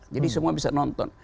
jadi semua bisa nonton